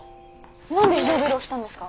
何で非常ベル押したんですか？